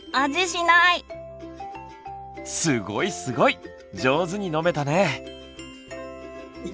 すごいすごい上手に飲めたね！